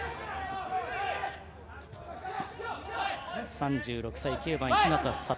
３６歳、９番の日向賢。